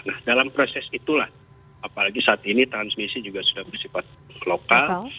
nah dalam proses itulah apalagi saat ini transmisi juga sudah bersifat lokal